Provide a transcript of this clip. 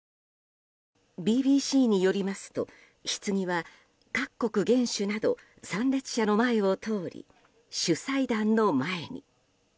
ＢＢＣによりますとひつぎは各国元首など参列者の前を通り主祭壇の前に。